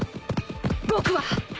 僕は！